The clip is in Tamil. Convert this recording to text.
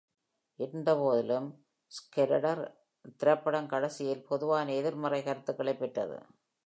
இருந்தபோதிலும், Schrader-ன் திரைப்படம் கடைசியில் பொதுவான எதிர்மறை கருத்துகளைப் பெற்றது.